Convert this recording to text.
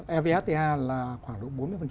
evfta là khoảng độ bốn mươi